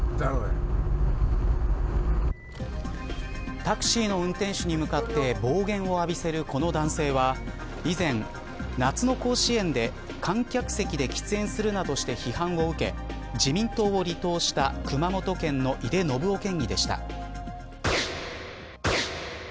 タクシーの運転手に向かって暴言をあびせるこの男性は以前、夏の甲子園で観客席で喫煙するなどして批判を受け、自民党を離党した熊本県の井手順雄県議でした。